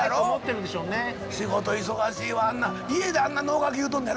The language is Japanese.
仕事忙しいわあんな家であんな能書き言うとんのやろ？